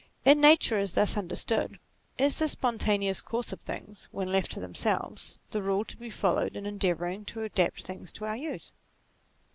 In Nature as thus understood, is the spontaneous course of things when left to them selves, the rule to be followed in endeavouring to adapt things to our use